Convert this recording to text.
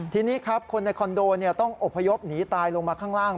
ทีนี้ครับคนในคอนโดต้องอบพยพหนีตายลงมาข้างล่าง